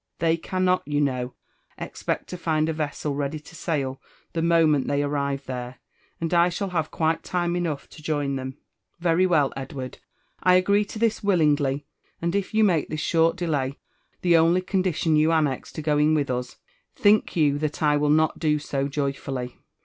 They catinot, you know, expeot to find a vessel ready Id sirii the moment they arrive there, and I shall have quite tln^ enotifgh to jom tJi^.'* .^ JONATHAN JEFFERSON WHITLAW. 307 « "Very well, Edward, — I agree to this willingly; and if you make this short delay the only condition you annex to going with us, think you that I willnotiioso joyfully?